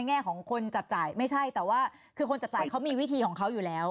แง่ของคนจับจ่ายไม่ใช่แต่ว่าคือคนจับจ่ายเขามีวิธีของเขาอยู่แล้ว